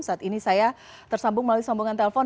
saat ini saya tersambung melalui sambungan telepon